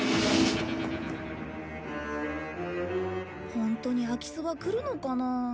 ホントに空き巣は来るのかな？